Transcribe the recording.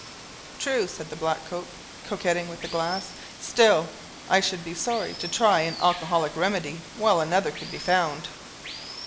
"True," said black coat, coquetting with the glass; "still I should be sorry to try an alcoholic remedy while another could be found."